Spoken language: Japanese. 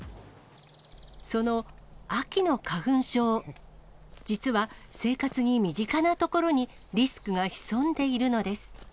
その秋の花粉症、実は生活に身近な所にリスクが潜んでいるのです。